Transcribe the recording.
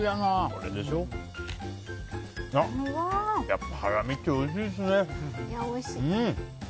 やっぱハラミっておいしいですね。